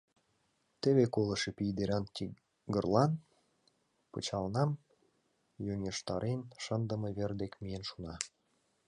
Теве колышо пий деран тигрлан пычалнам йоҥежтарен шындыме вер дек миен шуна.